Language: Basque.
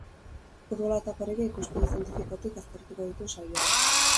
Futbola eta korrika ikuspegi zientifikotik aztertuko ditu saioak.